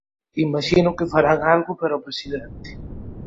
Imaxino que farán algo para o presidente.